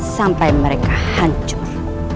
sampai mereka hancur